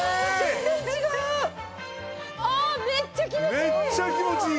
めっちゃ気持ちいい！